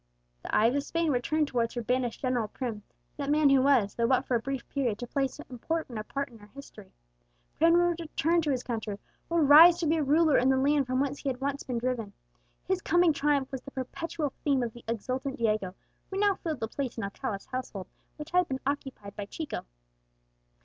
The eyes of Spain were turned towards her banished General Prim, that man who was, though but for a brief period, to play so important a part in her history. Prim would return to his country, would rise to be a ruler in the land from whence he had once been driven. His coming triumph was the perpetual theme of the exultant Diego, who now filled the place in Alcala's household which had been occupied by Chico.